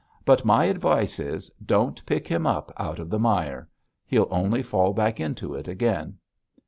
But my advice is, don't pick him up out of the mire; he'll only fall back into it again.'